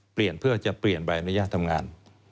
เปลี่ยนเพื่อจะเปลี่ยนใบอนุญาตทำงาน